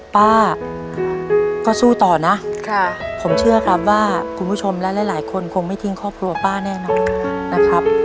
ป้าก็สู้ต่อนะผมเชื่อครับว่าคุณผู้ชมและหลายคนคงไม่ทิ้งครอบครัวป้าแน่นอนนะครับ